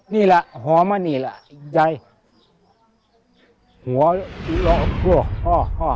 นี่แหละหอมนี่แหละอีกใจ